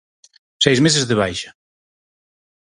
Seis meses de baixa.